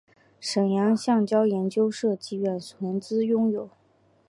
沈阳橡胶研究设计院全资拥有。